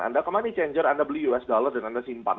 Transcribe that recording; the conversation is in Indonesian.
anda ke money changer anda beli us dollar dan anda simpan